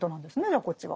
じゃあこっちは。